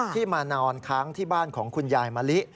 ที่มานอนค้างที่บ้านของคุณยายมะลิ